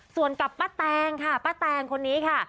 ส่วนกับป้าแตงค่ะป้าแตงคนนี้ค่ะ